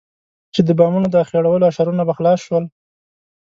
چې د بامونو د اخېړولو اشرونه به خلاص شول.